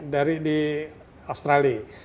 dari di australia